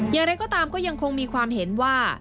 อย่างไรก็ตามก็ยังคงมีความเห็นว่า